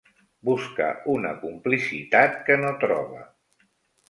Busca una complicitat que no troba.